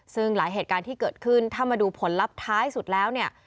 ซึ่งหลายเหตุการณ์ที่เกิดขึ้นถ้ามาดูผลลัพธ์ท้ายสุดแล้วเนี่ย